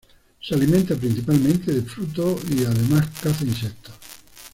Se alimenta principalmente de frutos y además caza insectos.